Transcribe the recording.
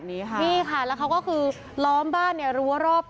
นี่ค่ะแล้วเขาก็คือล้อมบ้านรั่วรอบขอบชิด